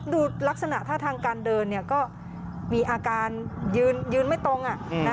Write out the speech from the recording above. ดูลักษณะท่าทางการเดินก็มีอาการยืนไม่ตรง